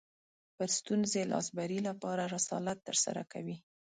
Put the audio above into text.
پر ستونزې لاسبري لپاره رسالت ترسره کوي